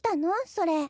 それ。